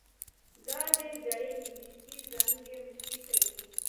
دا د زړې انګلیسي څانګې مشري کوي.